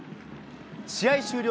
試合終了